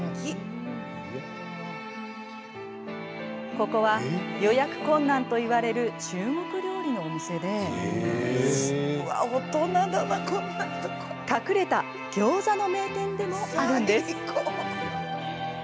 ここは、予約困難といわれる中国料理のお店で隠れたギョーザの名店でもあるんです。